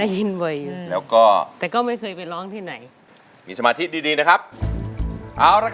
ยังได้ยินบ่อย